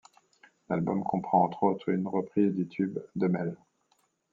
L'album comprend entre autres une reprise du tube ' de Mel.